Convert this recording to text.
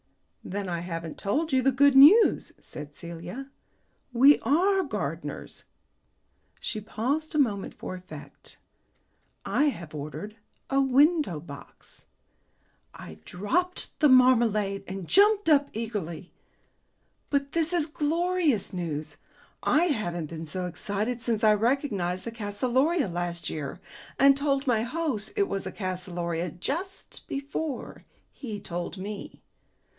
"Then I haven't told you the good news," said Celia. "We are gardeners." She paused a moment for effect. "I have ordered a window box." I dropped the marmalade and jumped up eagerly. "But this is glorious news! I haven't been so excited since I recognized a calceolaria last year, and told my host it was a calceolaria just before he told me.